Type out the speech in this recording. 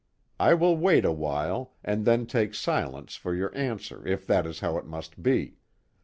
I will wait a while, and then take silence for your answer if that is how it must be.